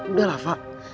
udah lah fak